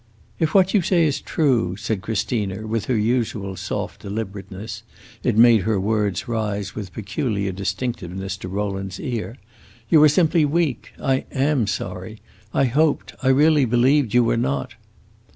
"If what you say is true," said Christina, with her usual soft deliberateness it made her words rise with peculiar distinctness to Rowland's ear "you are simply weak. I am sorry! I hoped I really believed you were not."